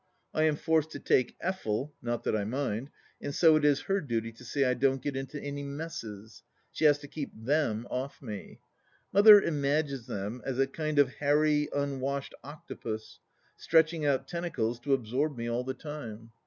I am forced to take Effel — ^not that I mind —• and so it is her duty to see I don't get into any messes. She has to keep Them off me. Mother imagines them as a kind of hairy, unwashed octopus, stretching out tentacles to absorb me all the time.